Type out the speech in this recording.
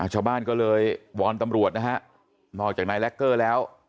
ชาวบ้านก็เลยวอนตำรวจนะฮะนอกจากนายแล็กเกอร์แล้ว